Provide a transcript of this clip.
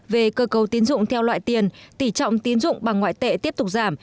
về cơ cầu tín dụng theo loại tiền tỉ trọng tín dụng bằng ngoại tệ tiếp tục giảm